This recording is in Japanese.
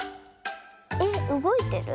えっうごいてる？